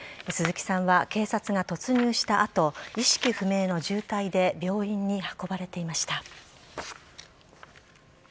スズキさんは警察が突入した後意識不明の重体で病院に運ばれていました。